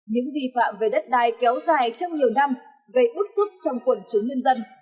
những vi phạm về đất đai kéo dài trong nhiều năm gây bức xúc trong quần chúng nhân dân